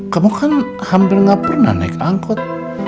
kamu kan hampir nggak pernah naik angkot